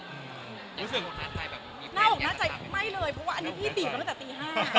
หน้าอกน่าใจไม่เลยเพราะว่าอันนี้พี่ติดตั้งแต่ตี๕